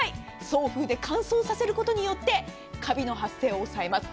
送風で乾燥させることによってカビの発生を抑えます。